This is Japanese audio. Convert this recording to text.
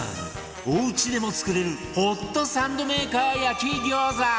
おうちでも作れるホットサンドメーカー焼き餃子